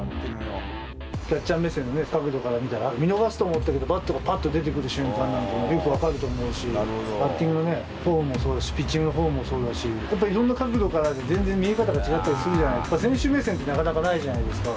キャッチャー目線で、角度から見たら、見逃すと思ったけど、バットがぱっと出てくる瞬間なんてよく分かると思うし、バッティングのフォームもそうだし、ピッチングのフォームもそうだし、やっぱいろんな角度からで全然見え方って違うじゃないですか、選手目線ってなかなかないじゃないですか。